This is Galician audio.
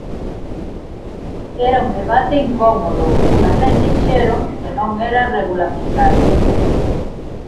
Era un debate incómodo e tamén dixeron que non era regulamentario.